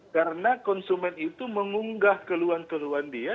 karena konsumen itu mengunggah keluhan keluhan dia